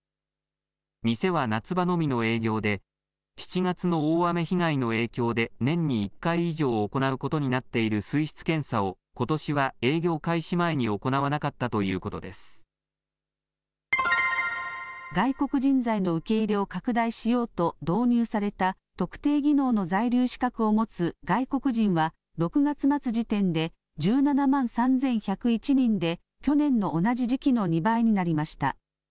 店は夏場のみの営業で７月の大雨被害の影響で年に１回以上行うことになっている水質検査をことしは営業開始前に外国人材の受け入れを拡大しようと導入された特定技能の在留資格を持つ外国人は６月末時点で１７万３１０１人で去年の同じ時期の２倍になりました。